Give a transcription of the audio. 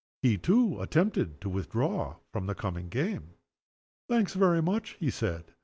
He, too, attempted to withdraw from the coming game. "Thanks very much," he said.